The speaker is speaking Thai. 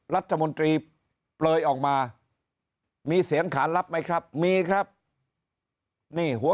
รัฐมนตรีเปลยออกมามีเสียงขานรับไหมครับมีครับนี่หัว